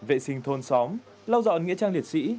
vệ sinh thôn xóm lau dọn nghĩa trang liệt sĩ